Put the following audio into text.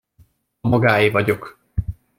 A magáé vagyok!